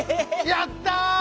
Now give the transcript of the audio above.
⁉やった！